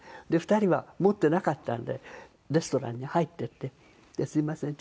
２人は持っていなかったんでレストランに入っていって「すいません。